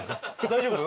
大丈夫？